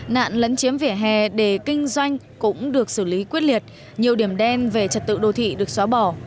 nạn lấn chiếm vỉa hè để kinh doanh cũng được xử lý quyết liệt nhiều điểm đen về trật tự đô thị được xóa bỏ